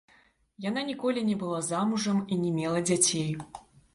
Яна ніколі не была замужам і не мела дзяцей.